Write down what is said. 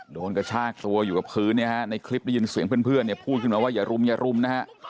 กระชากตัวอยู่กับพื้นเนี่ยฮะในคลิปได้ยินเสียงเพื่อนเนี่ยพูดขึ้นมาว่าอย่ารุมอย่ารุมนะฮะ